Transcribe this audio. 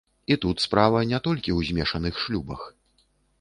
І тут справа не толькі ў змешаных шлюбах.